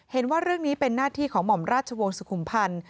เห็นว่าเรื่องนี้เป็นหน้าที่ของหม่อมราชวงศ์สุขุมพันธ์